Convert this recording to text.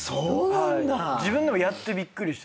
自分でもやってびっくりしてますね。